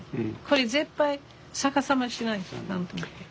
これ絶対逆さましないとあかんと思って。